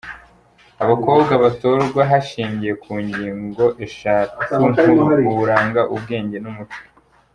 Abakobwa batorwa hashingiwe ku ngingo eshatu nkuru "uburanga, ubwenge n’umuco".